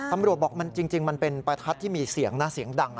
ตำรวจบอกจริงมันเป็นประทัดที่มีเสียงนะเสียงดัง